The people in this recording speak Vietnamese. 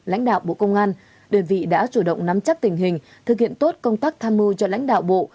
lãnh đạo bộ công an đơn vị đã chủ động nắm chắc tình hình thực hiện tốt công tác tham mưu cho lãnh đạo bộ